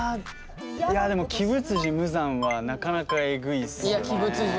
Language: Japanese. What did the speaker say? いやでも鬼舞無惨はなかなかえぐいっすよね。